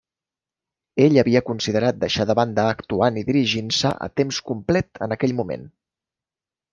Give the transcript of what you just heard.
Ell havia considerat deixar de banda actuant i dirigint-se a temps complet en aquell moment.